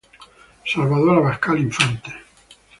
Salvador Abascal Infante.